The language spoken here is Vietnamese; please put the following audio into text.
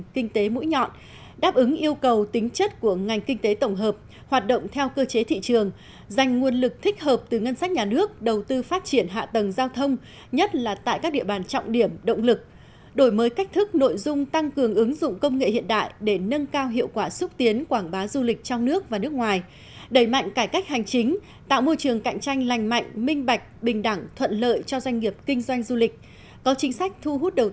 kinh tế mũi nhọn đáp ứng yêu cầu tính chất của ngành kinh tế tổng hợp hoạt động theo cơ chế thị trường dành nguồn lực thích hợp từ ngân sách nhà nước đầu tư phát triển hạ tầng giao thông nhất là tại các địa bàn trọng điểm động lực đổi mới cách thức nội dung tăng cường ứng dụng công nghệ hiện đại để nâng cao hiệu quả xúc tiến quảng bá du lịch trong nước và nước ngoài đẩy mạnh cải cách hành chính tạo môi trường cạnh tranh lành mạnh minh bạch bình đẳng thuận lợi cho doanh nghiệp kinh doanh du lịch có chính sách